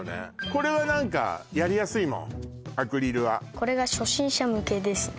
これは何かやりやすいもんアクリルはこれが初心者向けですね